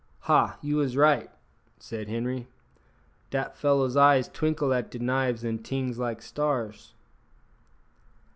"Ha! you is right," said Henri; "dat fellow's eyes twinkle at de knives and tings like two stars."